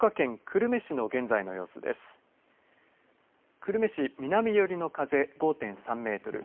久留米市、南寄りの風５．３メートル。